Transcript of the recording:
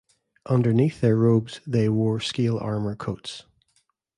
Underneath their robes they wore scale armour coats.